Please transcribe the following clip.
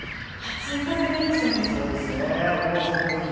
熱い戦いでしたよね。